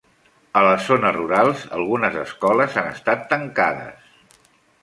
A les zones rurals, algunes escoles han estat tancades.